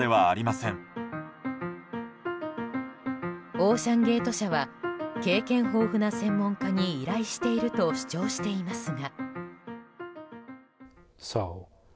オーシャン・ゲート社は経験豊富な専門家に依頼していると主張していますが。